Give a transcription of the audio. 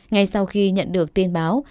ngay sau khi nhận được tin báo